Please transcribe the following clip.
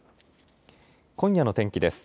今夜の天気です。